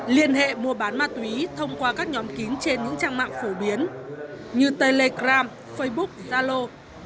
liên hệ mua bán ma túy thông qua các nhóm kín trên những trang mạng phổ biến như telegram facebook zalo